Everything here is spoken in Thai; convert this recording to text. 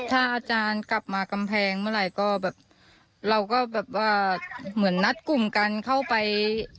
ถ้าอาจารย์กลับมากำแพงเมื่อไหร่ก็แบบเราก็แบบว่าเหมือนนัดกลุ่มกันเข้าไป